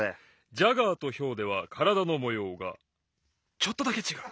ジャガーとヒョウではからだのもようがちょっとだけちがう！